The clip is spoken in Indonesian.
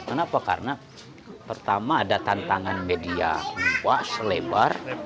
kenapa karena pertama ada tantangan media selebar